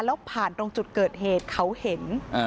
แล้วผ่านตรงจุดเกิดเหตุเขาเห็น